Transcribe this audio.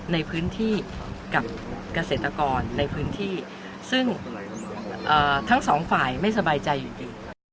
ในพื้นที่กับเกษตรกรทั้งสองฝ่ายไม่สบายใจอยู่ดิ